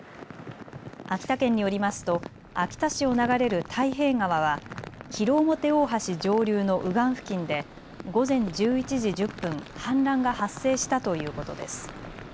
秋田県によりますと秋田市を流れる太平川は広面大橋上流の右岸付近で午前１１時１０分、氾濫が発生したということです。